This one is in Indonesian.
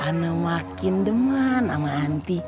anak makin demam sama anti